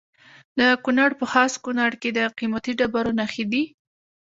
د کونړ په خاص کونړ کې د قیمتي ډبرو نښې دي.